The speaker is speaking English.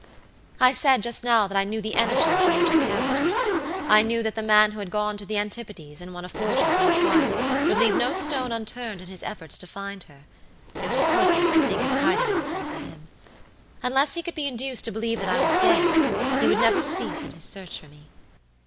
"I said just now that I knew the energy of George's character. I knew that the man who had gone to the antipodes and won a fortune for his wife would leave no stone unturned in his efforts to find her. It was hopeless to think of hiding myself from him. "Unless he could be induced to believe that I was dead, he would never cease in his search for me.